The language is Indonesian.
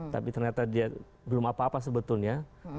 tapi ternyata dia belum apa apa sebetulnya